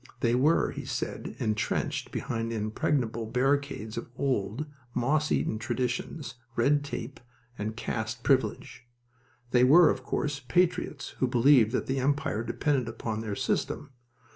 They were, he said, intrenched behind impregnable barricades of old, moss eaten traditions, red tape, and caste privilege. They were, of course, patriots who believed that the Empire depended upon their system.